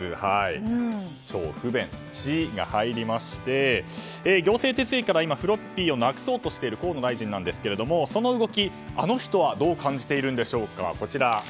超不便の「チ」が入りまして行政手続きから今、フロッピーをなくそうとしている河野大臣ですがその動き、あの人はどう感じているんでしょうか。